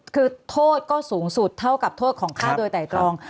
คือโทษก็สูงสุดเท่ากับโทษของฆ่าโดยไตรตรอง